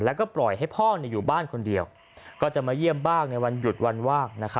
แล้วก็ปล่อยให้พ่ออยู่บ้านคนเดียวก็จะมาเยี่ยมบ้างในวันหยุดวันว่าง